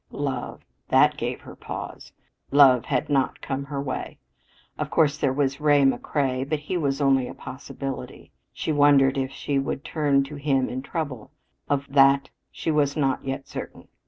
Love! That gave her pause. Love had not come her way. Of course there was Ray McCrea. But he was only a possibility. She wondered if she would turn to him in trouble. Of that she was not yet certain.